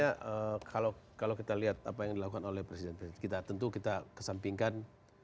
ya kalau kita lihat apa yang dilakukan oleh presiden presiden kita tentu kita kesampingkan